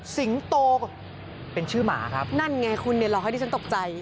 สิงโตเป็นชื่อหมาครับนั่นไงคุณเนี่ยรอให้ดิฉันตกใจ